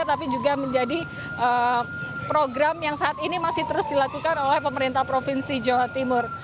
tapi juga menjadi program yang saat ini masih terus dilakukan oleh pemerintah provinsi jawa timur